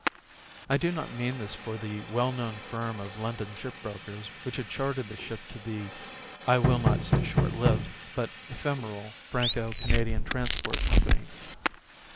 I do not mean this for the well known firm of London ship brokers which had chartered the ship to the, I will not say short lived, but ephemeral Franco Canadian Transport Company.